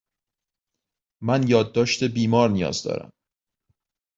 من یادداشت بیمار نیاز دارم.